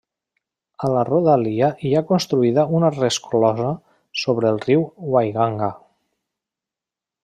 A la rodalia hi ha construïda una resclosa sobre el riu Wainganga.